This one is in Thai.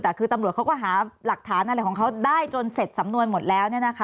แต่คือตำรวจเขาก็หาหลักฐานอะไรของเขาได้จนเสร็จสำนวนหมดแล้ว